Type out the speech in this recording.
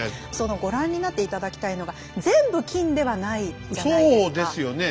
そのご覧になって頂きたいのが全部金ではないじゃないですか。